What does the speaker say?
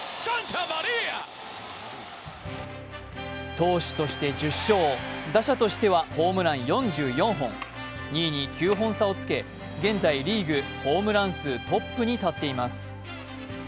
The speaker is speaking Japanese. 投手として１０勝、打者としてはホームラン４４本、２位に９本差をつけ現在リーグホームラン数トップに立っています。